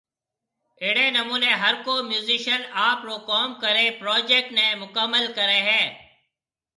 اھڙي نموني ھرڪو ميوزشن آپرو ڪوم ڪري پروجيڪٽ ني مڪمل ڪري ھيَََ